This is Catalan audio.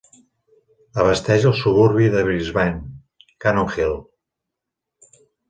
Abasteix al suburbi de Brisbane, Cannon Hill.